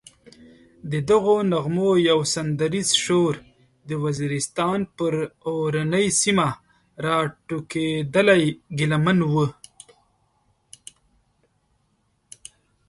ددغو نغمو یو سندریز شور د وزیرستان پر اورنۍ سیمه راټوکېدلی ګیله من و.